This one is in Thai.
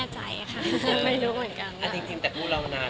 เขาเก็บเงินแต่งอยู่หรือเปล่า